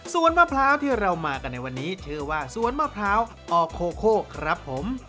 ส่วนมะพร้าวที่เรามากันในวันนี้ชื่อว่าสวนมะพร้าวอโคโคครับผม